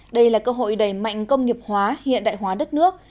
đây là cơ hội đẩy mạnh công nghiệp hóa hiện đại hóa đất nước